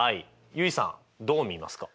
結衣さんどう見ますか？